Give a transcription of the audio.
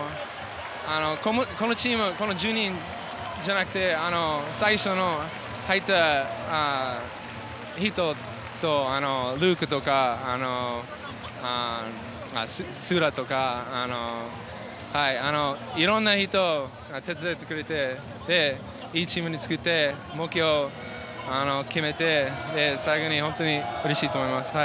このチームこの１２人じゃなくて最初に入った人とルークとかいろんな人が手伝ってくれていいチームを作って目標を決めて最後に本当にうれしいと思います。